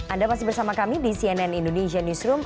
anda masih bersama kami di cnn indonesia newsroom